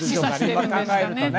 今、考えるとね。